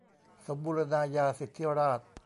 สมบูรณาญาสิทธิราช